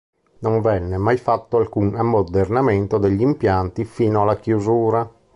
Non venne mai fatto alcun ammodernamento degli impianti fino alla chiusura.